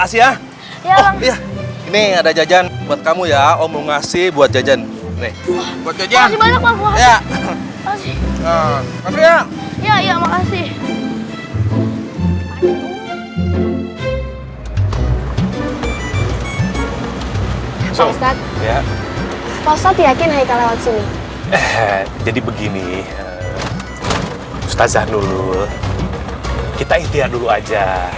sampai jumpa di video selanjutnya